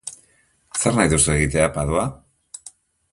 Zer nahi duzu egitea, Padua?